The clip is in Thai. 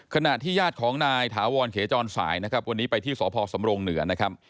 ขณะที่ญาติของนายถาวรเขจรสายนะครับวันนี้ไปที่สพสำรงเหนือนะครับ